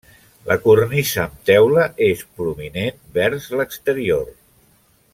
La cornisa, amb teula, és prominent vers l'exterior.